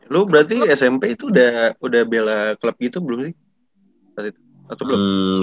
lo berarti smp itu udah bela klub gitu belum sih